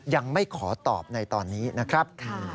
ยังไม่ขอตอบในตอนนี้นะครับ